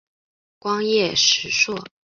光叶石栎